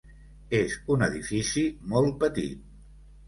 És un edifici molt petit.